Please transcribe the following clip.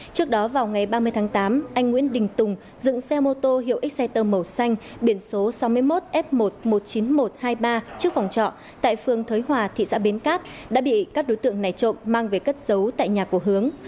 trước đó vào ngày ba mươi tháng tám anh nguyễn đình tùng dựng xe mô tô hiệu exctor màu xanh biển số sáu mươi một f một trăm một mươi chín nghìn một trăm hai mươi ba trước phòng trọ tại phường thới hòa thị xã bến cát đã bị các đối tượng này trộm mang về cất giấu tại nhà của hướng